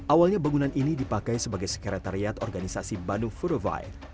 awalnya bangunan ini dipakai sebagai sekretariat organisasi bandung fourofi